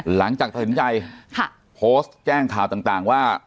หลังจากถึงใจค่ะโพสต์แจ้งข่าวต่างต่างว่า